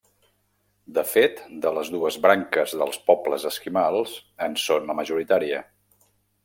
De fet, de les dues branques dels pobles esquimals, en són la majoritària.